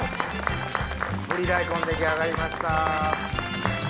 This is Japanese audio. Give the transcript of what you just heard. ぶり大根出来上がりました！